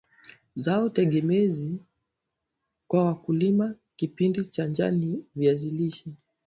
zao tegemezi kwa wakulima kipindi cha njaa ni viazi lishe